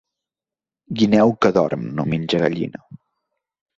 Guineu que dorm no menja gallina.